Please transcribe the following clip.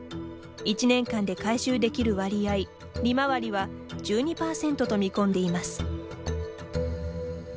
１年間で回収できる割合利回りは１２％と見込んでいます。